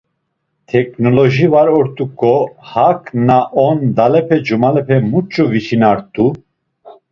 Teknoloji var ort̆uǩo hak na on dalepe cumalepe muç̌e viçinart̆u?